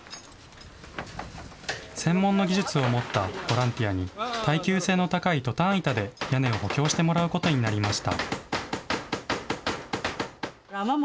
専門の技術を持ったボランティアに、耐久性の高いトタン板で屋根を補強してもらうことになりました。